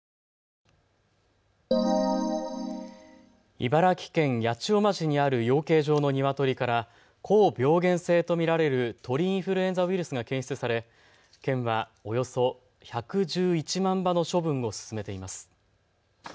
茨城県八千代町にある養鶏場のニワトリから高病原性と見られる鳥インフルエンザウイルスが検出され県はおよそ１１１万羽の処分を進めています。